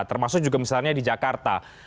termasuk juga misalnya di jakarta